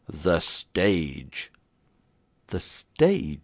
'The stage.' 'The stage!